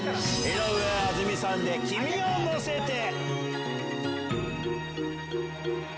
井上あずみさんで君をのせて。